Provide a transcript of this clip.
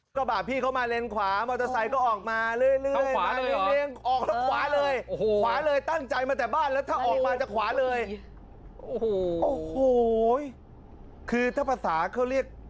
คุณผู้ชมครับไปดูคลิปนี้คราวนี้เป็นคลิปรถกระบะ